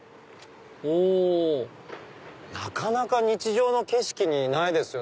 おなかなか日常の景色にないですよ